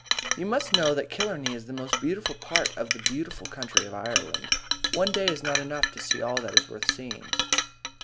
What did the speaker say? You must know that Killarney is the most beautiful part of the beautiful country of Ireland. One day is not enough to see all that is worth seeing.